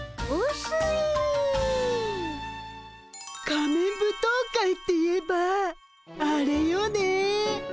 仮面舞踏会っていえばあれよね。